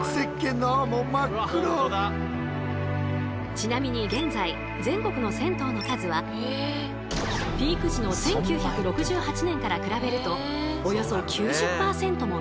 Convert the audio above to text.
ちなみに現在全国の銭湯の数はピーク時の１９６８年から比べるとおよそ９０％も減少。